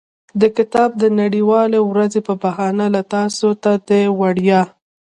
د کتاب د نړیوالې ورځې په بهانه له تاسو ته د وړیا.